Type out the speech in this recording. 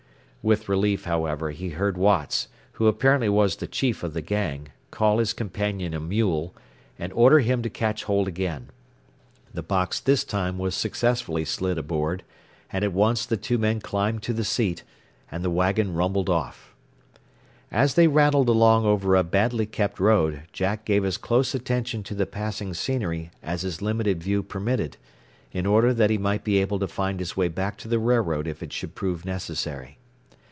With relief, however, he heard Watts, who apparently was the chief of the gang, call his companion a mule, and order him to catch hold again. The box this time was successfully slid aboard; and at once the two men climbed to the seat, and the wagon rumbled off. As they rattled along over a badly kept road Jack gave as close attention to the passing scenery as his limited view permitted, in order that he might be able to find his way back to the railroad if it should prove necessary.